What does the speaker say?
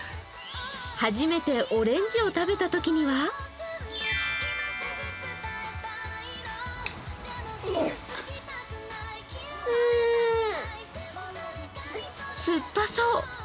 初めてオレンジを食べたときにはすっぱそう。